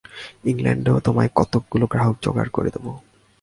ইংলণ্ডেও তোমায় কতকগুলি গ্রাহক যোগাড় করে দেব।